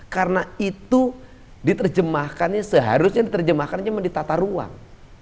karena itu diterjemahkannya seharusnya diterjemahkannya menjadi tata ruang